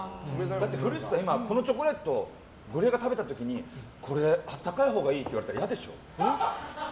古市さん、このチョコレートゴリエが食べた時にこれ温かいほうがいいって言われたらいやでしょ？